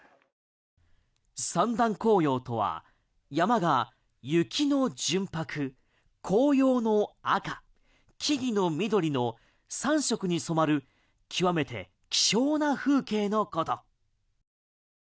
三段紅葉とは、山が雪の純白、紅葉の赤、木々の緑の３色に染まる極めて希少な風景のこと。